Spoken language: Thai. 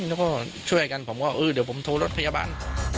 แล้วก็ช่วยกันผมก็แอบโทรรถพยาบาล